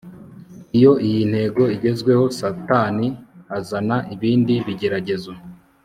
Iyo iyi ntego igezweho Satani azana ibindi bigeragezo